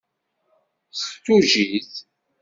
S tujjit.